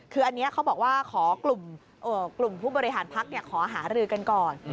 คืออันนี้เขาบอกว่าขอกลุ่มผู้บริหารพักขอหารือกันก่อน